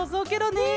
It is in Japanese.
ねえ！